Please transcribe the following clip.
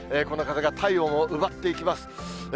この風が体温を奪っていきます。